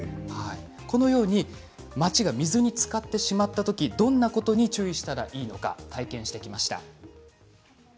このように街が水につかってしまったときどんなことに注意したらいいのか体験してきました。